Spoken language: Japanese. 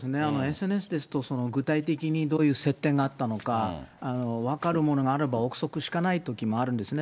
ＳＮＳですと、具体的にどういう接点があったのか、分かるものがあれば、臆測しかないときもあるんですね。